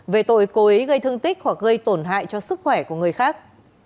về tội cô ấy gây thương tích hoặc gây tổn hại cho sức khỏe của người khác